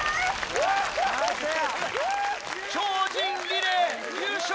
超人リレー優勝！